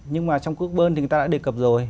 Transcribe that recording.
nhưng mà trong công ước bơn thì người ta đã đề cập rồi